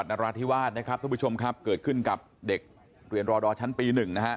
ลูกอยากไปฝึกแล้วโอเคแม่บอกว่าไป